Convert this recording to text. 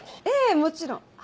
ええもちろん。